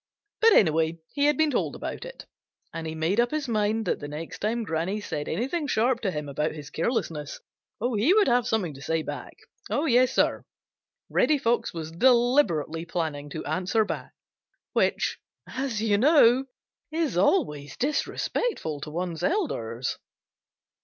But anyway, he had been told about it, and he made up his mind that the next time Granny said anything sharp to him about his carelessness he would have something to say back. Yes, Sir, Reddy Fox was deliberately planning to answer back, which, as you know, is always disrespectful to one's elders.